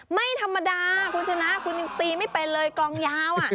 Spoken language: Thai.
ไม่ธรรมดาคุณชนะคุณยังตีไม่เป็นเลยกองยาว